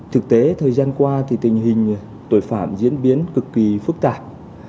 thực tế thời gian qua thì tình hình tội phạm diễn biến cực kỳ phức tạp